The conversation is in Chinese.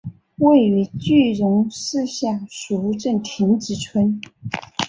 位于句容市下蜀镇亭子村。